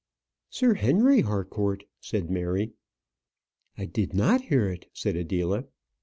"Sir Henry Harcourt," said Mary. "I did not hear it," said Adela.